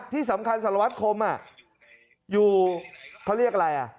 ที่สำคัญสารวัตรคมอยู่เขาเรียกอะไรอ่ะ